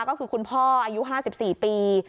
ก็คือคุณพ่ออายุ๕๔ปี